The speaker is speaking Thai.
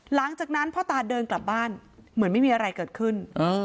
หลังจากนั้นพ่อตาเดินกลับบ้านเหมือนไม่มีอะไรเกิดขึ้น